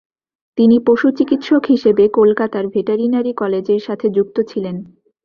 তিনি পশুচিকিতসক হিসাবে কলকাতার ভেটারিনারি কলেজের সাথে যুক্ত ছিলেন।